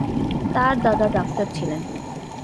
তার দাদা ডাক্তার ছিলেন।